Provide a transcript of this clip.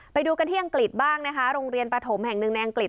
ไปดูกันที่อังกฤษบ้างนะคะโรงเรียนปฐมแห่งหนึ่งในอังกฤษ